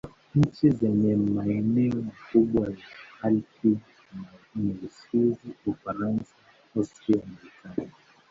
Nchi zenye maeneo makubwa ya Alpi ni Uswisi, Ufaransa, Austria na Italia.